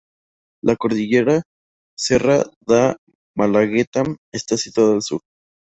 La cordillera Serra da Malagueta está situada al sur.